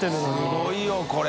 すごいよこれ。